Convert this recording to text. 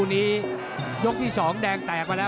ติดตามยังน้อยกว่า